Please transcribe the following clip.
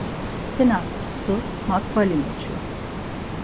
Tenak ǩizus makvali meçu.